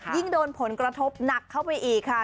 ยิ่งโดนผลกระทบหนักเข้าไปอีกค่ะ